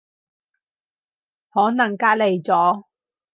可能隔離咗